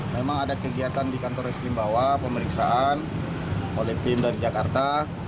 memang ada kegiatan di kantor reskrim bawah pemeriksaan oleh tim dari jakarta